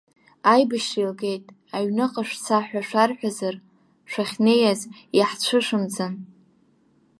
Аибашьра еилгеит, аҩныҟа шәца ҳәа шәарҳәазар шәахьнеиз, иаҳцәышәымӡан!